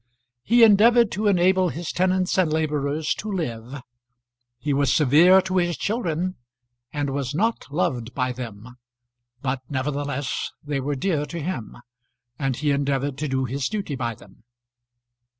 He endeavoured to enable his tenants and labourers to live. He was severe to his children, and was not loved by them; but nevertheless they were dear to him, and he endeavoured to do his duty by them.